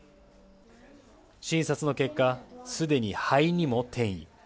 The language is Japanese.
診察の結果、すでに肺にも転移。